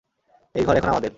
এই ঘর এখন আমাদের।